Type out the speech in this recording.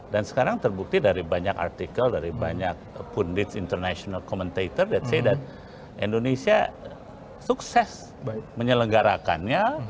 dan sekarang terbukti dari banyak artikel dari banyak pundit international commentator that say that indonesia sukses menyelenggarakannya